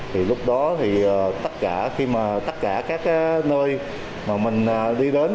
thì lúc đó thì tất cả khi mà tất cả các nơi mà mình đi đến